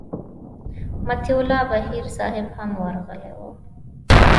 مطیع الله بهیر صاحب هم ورغلی و.